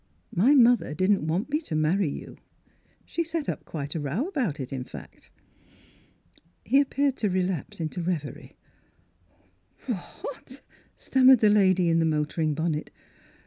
My mother didn't want me to marry you. She set up quite a row about it in fact." He appeared to relapse into revery. "W — what?" stammered the lady in the motoring bonnet.